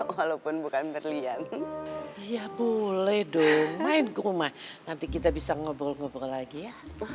walaupun bukan berlian ya boleh dong main ke rumah nanti kita bisa ngobrol ngobrol lagi ya